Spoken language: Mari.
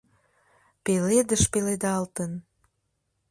Пеледыш пеледалтын!